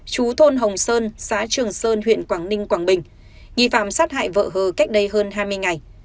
chú thôn hồng sơn xã trường sơn huyện quảng ninh quảng bình nghi phạm sát hại vợ hờ cách đây hơn hai mươi ngày